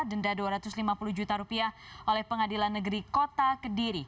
denda dua ratus lima puluh juta rupiah oleh pengadilan negeri kota kediri